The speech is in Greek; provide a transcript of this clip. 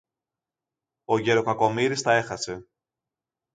Ο γερο-Κακομοίρης τα έχασε.